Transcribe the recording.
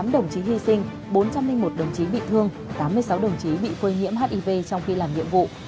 tám đồng chí hy sinh bốn trăm linh một đồng chí bị thương tám mươi sáu đồng chí bị phơi nhiễm hiv trong khi làm nhiệm vụ